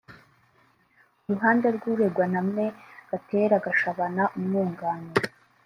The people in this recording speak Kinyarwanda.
Ku ruhande rw’uregwa na Me Gatera Gashabana umwunganira